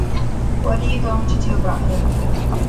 What are you going to do about him?